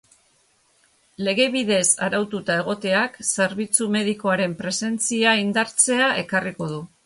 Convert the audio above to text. Lege bidez araututa egoteak zerbitzu medikoaren presentzia indartzea ekarriko du.